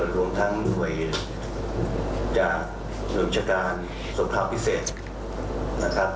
รวมทั้งจากหน่วยวิชาการสมภาพพิเศษนะครับ